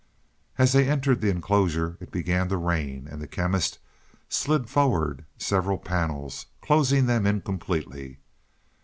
As they entered the enclosure, it began to rain, and the Chemist slid forward several panels, closing them in completely.